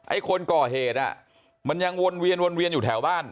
ไอ้คนก่อเหตุมันยังวนเวียนอยู่แถวบ้าน